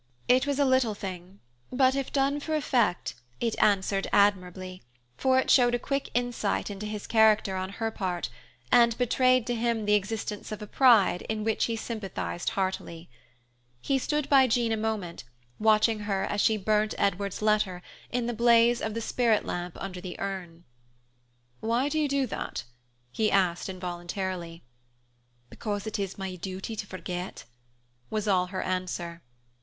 It was a little thing, but if done for effect, it answered admirably, for it showed a quick insight into his character on her part, and betrayed to him the existence of a pride in which he sympathized heartily. He stood by Jean a moment, watching her as she burnt Edward's letter in the blaze of the spirit lamp under the urn. "Why do you do that?" he asked involuntarily. "Because it is my duty to forget" was all her answer.